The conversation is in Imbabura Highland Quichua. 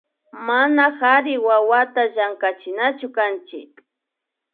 Mana kari wawakunata llankachinachukanchik